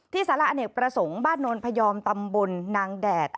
สาระอเนกประสงค์บ้านโนนพยอมตำบลนางแดด